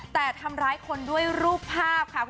แต่ทำร้ายคนด้วยรูปภาพค่ะ